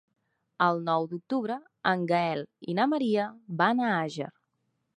El nou d'octubre en Gaël i na Maria van a Àger.